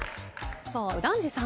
さあ右團次さん。